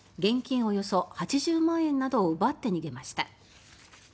およそ８０万円などを奪って逃げました。